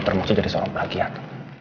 termasuk jadi seorang pelagiat